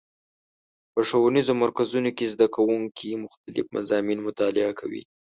په ښوونیزو مرکزونو کې زدهکوونکي مختلف مضامین مطالعه کوي.